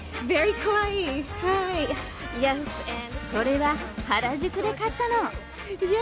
これは原宿で買ったの。